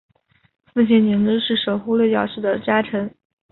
父亲景之是守护六角氏的家臣。